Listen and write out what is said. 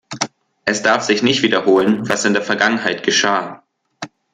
Es darf sich nicht wiederholen, was in der Vergangenheit geschah!